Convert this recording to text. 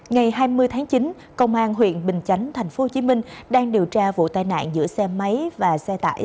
ngày hai mươi tháng chín công an huyện bình chánh tp hcm đang điều tra vụ tai nạn giữa xe máy và xe tải